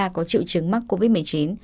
có triệu chứng mắc covid một mươi chín